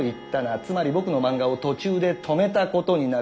つまり僕の漫画を途中で止めたことになる。